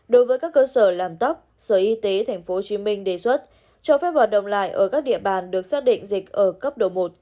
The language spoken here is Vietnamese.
đối với các cơ sở làm tóc sở y tế tp hcm đề xuất cho phép hoạt động lại ở các địa bàn được xác định dịch ở cấp độ một